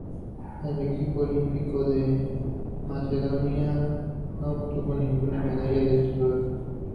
El equipo olímpico de Macedonia no obtuvo ninguna medalla en estos Juegos.